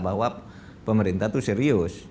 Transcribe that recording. bahwa pemerintah itu serius